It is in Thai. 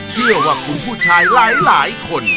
เชื่อว่าคุณผู้ชายหลายคน